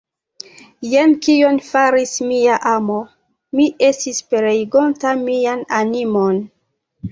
Jen kion faris mia amo, mi estas pereigonta mian animon!